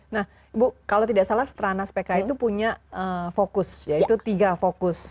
nah ibu kalau tidak salah stranas pk itu punya fokus yaitu tiga fokus